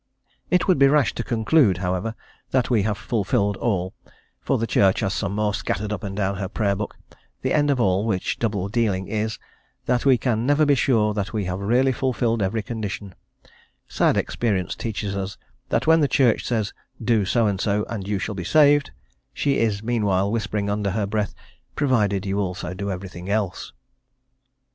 It would be rash to conclude, however, that we have fulfilled all, for the Church has some more scattered up and down her Prayer Book; the end of all which double dealing is, that we can never be sure that we have really fulfilled every condition; sad experience teaches us that when the Church says, "do so and so, and you shall be saved," she is, meanwhile, whispering under her breath, "provided you also do everything else."